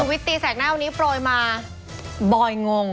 ชูเวทตีแสดหน้าวันนี้โปรยมาบ่อยงง